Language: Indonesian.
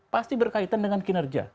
pasti berkaitan dengan kinerja